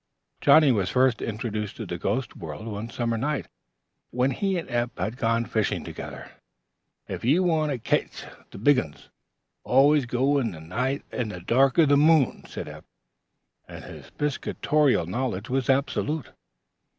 Johnnie was first introduced to the ghost world one summer night, when he and Eph had gone fishing together. "If ye want to ketch the big uns, always go at night in the dark o' the moon," said Eph, and his piscatorial knowledge was absolute.